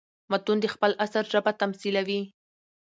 متون د خپل عصر ژبه تميثلوي.